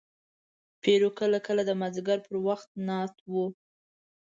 پیرو کله کله د مازدیګر پر وخت ناست و.